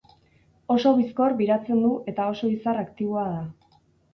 Oso bizkor biratzen du eta oso izar aktiboa da.